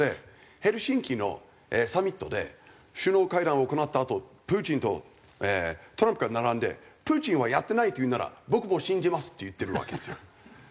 ヘルシンキのサミットで首脳会談を行ったあとプーチンとトランプが並んでプーチンはやってないと言うなら僕も信じますって言ってるわけですよ。